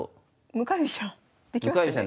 向かい飛車できましたね。